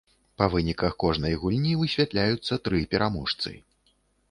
Па выніках кожнай гульні высвятляюцца тры пераможцы.